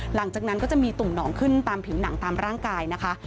หลังจากนั้นก็จะมีตุ่มหนองขึ้นตามผิวหนังตามร่างกายนะคะ